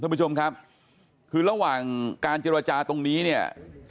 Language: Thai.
ท่านผู้ชมครับคือระหว่างการเจรจาตรงนี้เนี่ย